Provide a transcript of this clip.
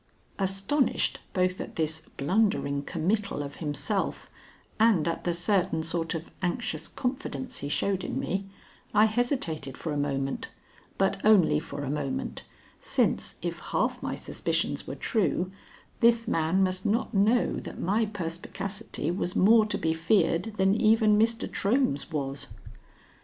Astonished both at this blundering committal of himself and at the certain sort of anxious confidence he showed in me, I hesitated for a moment, but only for a moment, since, if half my suspicions were true, this man must not know that my perspicacity was more to be feared than even Mr. Trohm's was.